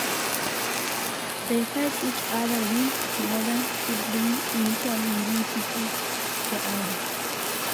They fight each other with neither sibling initially willing to kill the other.